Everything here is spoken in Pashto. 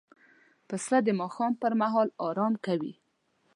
پسه د ماښام پر مهال آرام کوي.